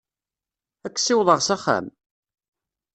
Ad k-ssiwḍeɣ s axxam?